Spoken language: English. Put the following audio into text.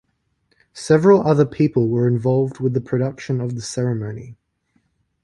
Several other people were involved with the production of the ceremony.